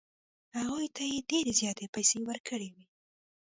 هغوی ته یې ډېرې زیاتې پیسې ورکړې وې.